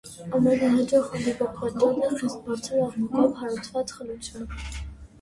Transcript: Ամենահաճախ հանդիպող պատճառն է խիստ բարձր աղմուկով հարուցված խլությունը։